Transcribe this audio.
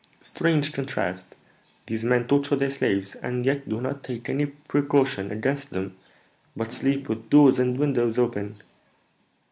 Strange contrast! These men torture their slaves, and yet do not take any precaution against them, but sleep with doors and windows open.